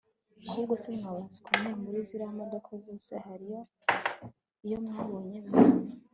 ahubwo se mwabaswa mwe, muri ziriya modoka zose, hari iyo mwabonyemo